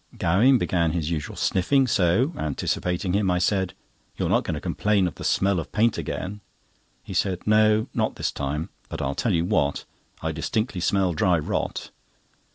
Gowing began his usual sniffing, so, anticipating him, I said: "You're not going to complain of the smell of paint again?" He said: "No, not this time; but I'll tell you what, I distinctly smell dry rot."